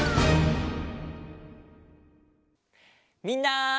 みんな！